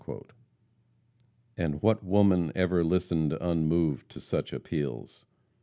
And what woman ever listened unmoved to such appeals?